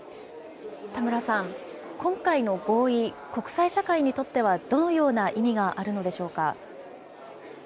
田村さん、今回の合意、国際社会にとってはどのような意味があるのでしょうか。